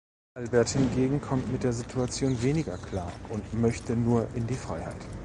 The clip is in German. Albert hingegen kommt mit der Situation weniger klar und möchte nur in die Freiheit.